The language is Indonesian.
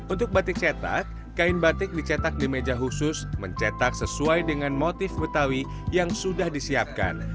untuk batik cetak kain batik dicetak di meja khusus mencetak sesuai dengan motif betawi yang sudah disiapkan